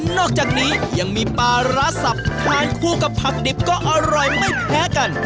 นอกจากนี้ยังมีปลาร้าสับทานคู่กับผักดิบก็อร่อยไม่แพ้กัน